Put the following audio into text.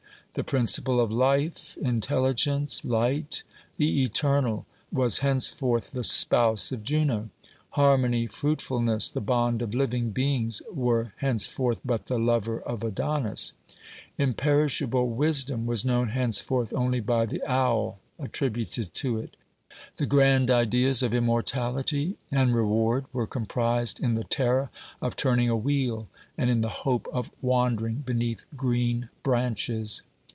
The Principle of Life, Intelligence, Light, the Eternal, was henceforth the spouse of Juno ; Harmony, Fruitfulness, the bond of living beings, were henceforth but the lover of Adonis; imperishable Wisdom was known henceforth only by the owl attributed to it; the grand ideas of immortality and reward were comprised in the terror of turning a wheel and in the hope of wandering beneath green branches.